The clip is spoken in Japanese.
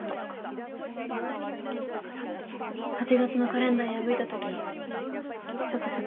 ８月のカレンダー破いたときちょっと切なかった。